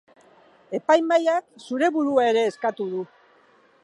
Epaimahaiak zure burua ere eskatu du.